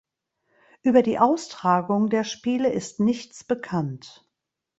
Über die Austragung der Spiele ist nichts bekannt.